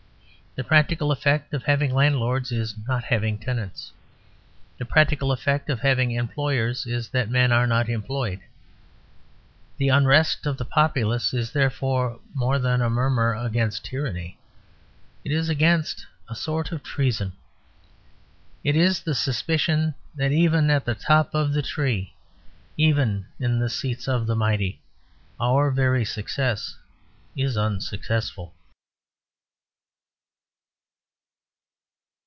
The practical effect of having landlords is not having tenants. The practical effect of having employers is that men are not employed. The unrest of the populace is therefore more than a murmur against tyranny; it is against a sort of treason. It is the suspicion that even at the top of the tree, even in the seats of the mighty, our very success is unsuccessful.